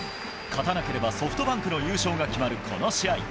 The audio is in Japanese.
勝たなければソフトバンクの優勝が決まるこの試合。